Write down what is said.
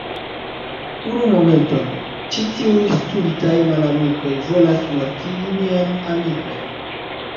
Unu momenton, ĉi tiuj stultaj malamikoj volas mortigi mian amikon.